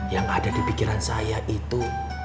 yang ada di pikiran saya itu